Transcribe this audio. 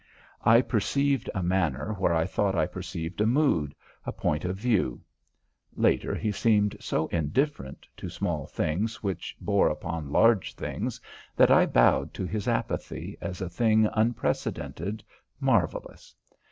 I perceived a manner where I thought I perceived a mood, a point of view. Later, he seemed so indifferent to small things which bore upon large things that I bowed to his apathy as a thing unprecedented, marvellous.